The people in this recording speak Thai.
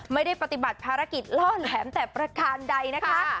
ไม่ได้ปฏิบัติภารกิจล่อแหลมแต่ประการใดนะคะ